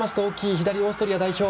左、オーストリア代表。